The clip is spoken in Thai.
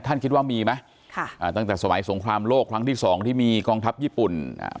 คิดว่ามีไหมค่ะอ่าตั้งแต่สมัยสงครามโลกครั้งที่สองที่มีกองทัพญี่ปุ่นอ่า